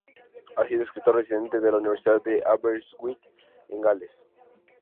Ha sido escritor residente en la Universidad de Aberystwyth, en Gales.